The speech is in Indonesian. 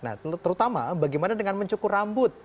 nah terutama bagaimana dengan mencukur rambut